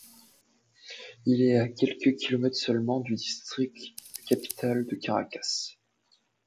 Il est à quelques kilomètres seulement du District capitale de Caracas.